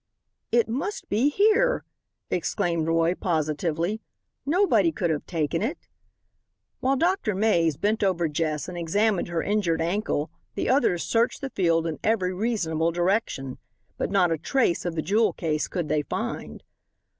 "It must be here," exclaimed Roy, positively; "nobody could have taken it." While Dr. Mays bent over Jess and examined her injured ankle the others searched the field in every reasonable direction. But not a trace of the jewel case could they find.